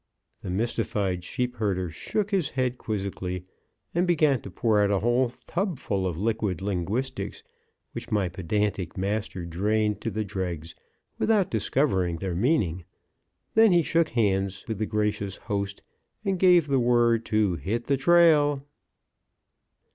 The mystified sheep herder shook his head quizzically, and began to pour out a whole tubful of liquid linguistics which my pedantic master drained to the dregs without discovering their meaning; then he shook hands with the gracious host and gave the word to "hit the trail."